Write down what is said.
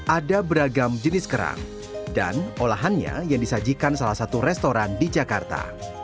ada beragam jenis kerang dan olahannya yang disajikan salah satu restoran di jakarta